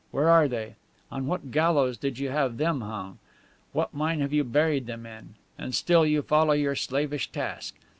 Where are they? On what gallows did you have them hung? What mine have you buried them in? And still you follow your slavish task.